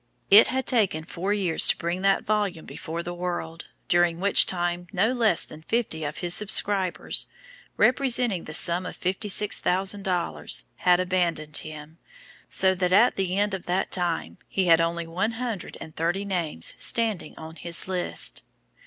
It had taken four years to bring that volume before the world, during which time no less than fifty of his subscribers, representing the sum of fifty six thousand dollars, had abandoned him, so that at the end of that time, he had only one hundred and thirty names standing on his list.